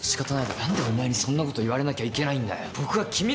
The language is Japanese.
何でお前にそんなこと言われなきゃいけないんだよ。